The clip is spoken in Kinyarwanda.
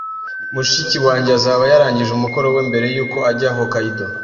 Mushiki wanjye azaba yarangije umukoro we mbere yuko ajya Hokkaido